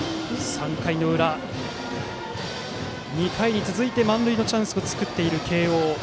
３回裏、２回に続いて満塁のチャンスを作った慶応。